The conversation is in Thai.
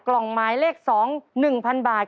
กล่องหมายเลข๒๑๐๐๐บาท